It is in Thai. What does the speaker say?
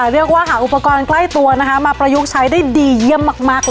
เรียกว่าหาอุปกรณ์ใกล้ตัวมาประยุกต์ใช้ได้ดีเยี่ยมมากเลย